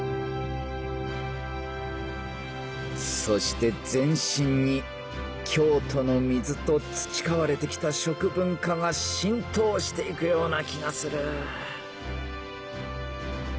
そして全身に京都の水と培われてきた食文化が浸透していくような気がする